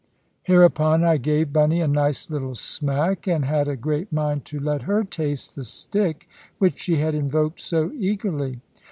Hereupon I gave Bunny a nice little smack, and had a great mind to let her taste the stick which she had invoked so eagerly.